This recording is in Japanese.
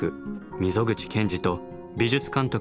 溝口健二と美術監督